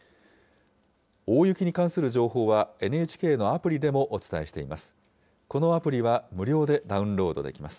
大雪に関する情報は、ＮＨＫのアプリでもお伝えしています。